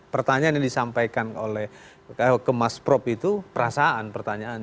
pertanyaan yang disampaikan oleh kemas prop itu perasaan pertanyaan